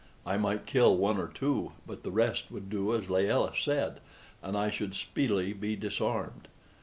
I might kill one or two, but the rest would do as Layelah said, and I should speedily be disarmed.